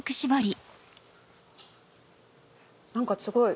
何かすごい。